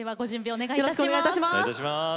お願いいたします。